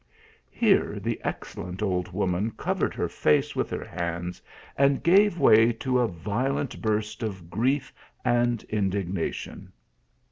Here the excellent old woman covered her face with her hands, and gave way to a violent burst of grief and indignation.